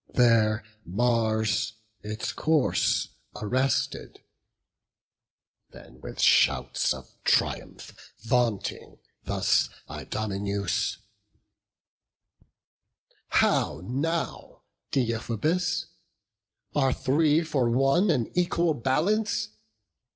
There Mars its course arrested. Then with shouts Of triumph, vaunting, thus Idomeneus: "How now, Deiphobus? are three for one An equal balance?